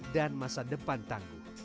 dan masa depan tangguh